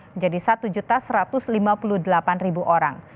menjadi satu satu ratus lima puluh delapan orang